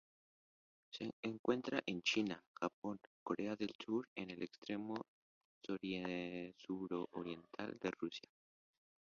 Se encuentra en China, Japón, Corea del Sur y el extremo suroriental de Rusia.